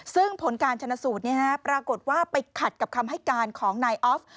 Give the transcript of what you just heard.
ซึ่งผลการชนะสูตรปรากฏว่าไปขัดกับคำให้การของนายออฟ